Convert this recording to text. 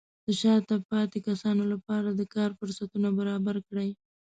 د شاته پاتې کسانو لپاره د کار فرصتونه برابر کړئ.